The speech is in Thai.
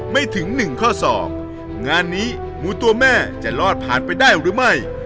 ถึงหนึ่งข้อสองงานนี้หมูตัวแม่จะรอดผ่านไปได้หรือไม่